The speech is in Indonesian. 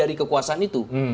dari kekuasaan itu